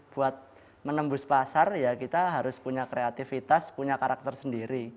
buat menembus pasar ya kita harus punya kreativitas punya karakter sendiri